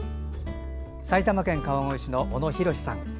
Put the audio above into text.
埼玉県川越市の小野浩さん。